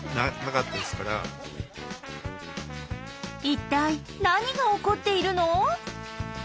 一体何が起こっているの？